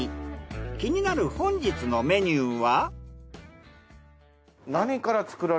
気になる本日のメニューは。